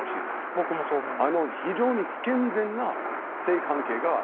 僕もそう思います。